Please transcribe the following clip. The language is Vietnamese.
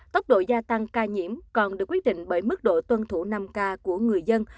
tốc độ gia tăng ca nhiễm còn được quyết định bởi mức độ tuân thủ năm k của người dân